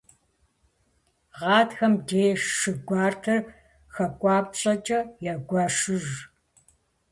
Гъатхэм деж шы гуартэр хакӏуапщӏэкӏэ ягуэшыж.